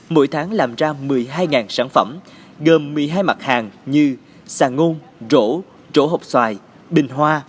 mỗi tháng làm ra một mươi hai sản phẩm gồm một mươi hai mặt hàng như sàng ngôn rổ trổ hộp xoài bình hoa